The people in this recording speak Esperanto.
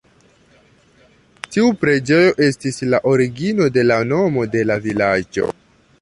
Tiu preĝejo estis la origino de la nomo de la vilaĝo.